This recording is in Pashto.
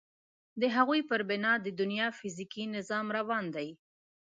د هغوی پر بنا د دنیا فیزیکي نظام روان دی.